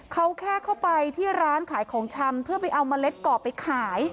เขาแค่เข้าไปที่ร้านขายของชำเพื่อไปเอาเมล็ดก่อไปขาย